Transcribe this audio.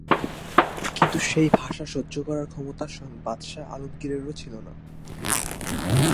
কিন্তু সেই ভাষা সহ্য করার ক্ষমতা স্বয়ং বাদশাহ আলমগীরেরও ছিল না।